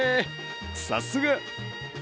さすが。